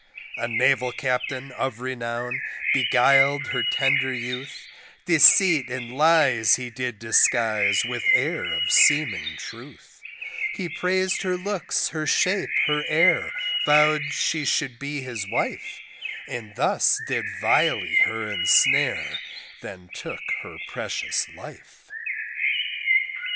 A naval Captain of renown, beguil'd her tender youth, Deceit and lies he did disguise with air of seeming truth, He prais'd her looks, her shape, her air, vow'd she should be his wife, And thus did vilely her ensnare then took her precious life.